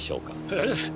ええ。